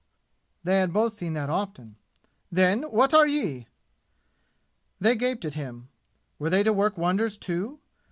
They had both seen that often. "Then, what are ye?" They gaped at him. Were they to work wonders too?